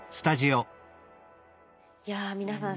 いや皆さん